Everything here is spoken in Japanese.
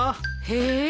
へえ。